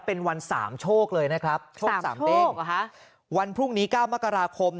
เป็นวันสามโชคเลยนะครับวันพรุ่งนี้๙มกราคม